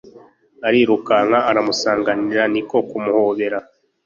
arirukanka aramusanganira, ni ko kumuhobera